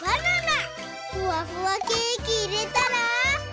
ふわふわケーキいれたら。